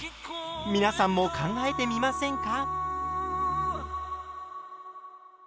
皆さんも考えてみませんか？